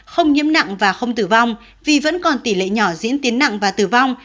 không nhiễm nặng và không tử vong vì vẫn còn tỷ lệ nhỏ diễn tiến nặng và tử vong